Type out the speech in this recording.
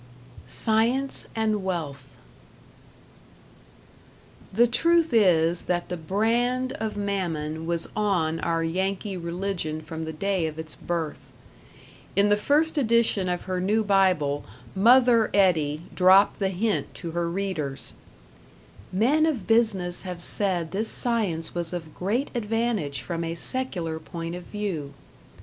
#Science and Wealth# The truth is that the brand of Mammon was on our Yankee religion from the day of its birth. In the first edition of her new Bible "Mother" Eddy dropped the hint to her readers: "Men of business have said this science was of great advantage from a secular point of view."